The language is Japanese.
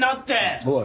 おい。